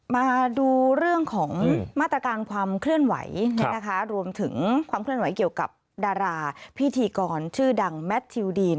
มาดูเรื่องของมาตรการความเคลื่อนไหวไว่กับดาราพิธีกรชื่อดังแมที้วดีน